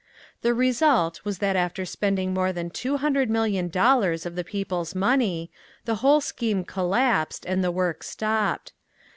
The result was that after spending more than two hundred million dollars of the people's money, the whole scheme collapsed, and the work stopped.